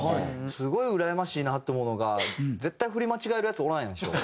すごいうらやましいなって思うのが絶対振り間違えるヤツおらんでしょ？